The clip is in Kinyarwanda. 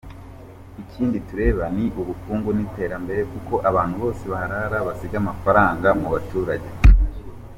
Ikindi tureba ni ubukungu n’iterambere kuko abantu bose baharara, basiga amafaranga mu baturage.